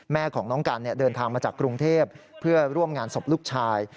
แม่ของน้องกันเดินทางมาจากกรุงเทพเพื่อร่วมงานศพลูกชาย